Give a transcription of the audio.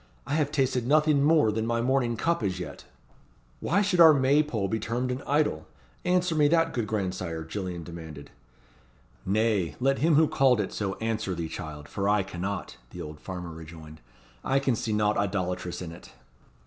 I have tasted nothing more than my morning cup as yet." "Why should our May pole be termed an idol? Answer me that, good grandsire?" Gillian demanded. "Nay, let him who called it so answer thee, child, for I cannot," the old farmer rejoined. "I can see naught idolatrous in it."